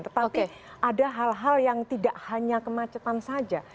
tetapi ada hal hal yang tidak hanya kemacetan saja